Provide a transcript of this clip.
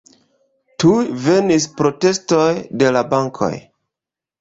Tuj venis protestoj de la bankoj.